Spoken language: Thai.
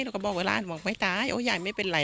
เราก็บอกว่าล้านไม่ตายยายนู้นไม่เป็นไร